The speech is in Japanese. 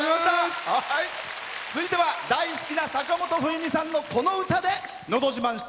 続いては大好きな坂本冬美さんのこの歌で「のど自慢」